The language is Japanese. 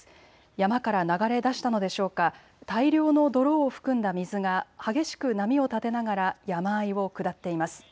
山から流れ出したのでしょうか、大量の泥を含んだ水が激しく波を立てながら山あいを下っています。